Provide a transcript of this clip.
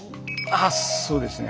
あっそうですね。